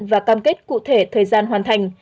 và cam kết cụ thể thời gian hoàn thành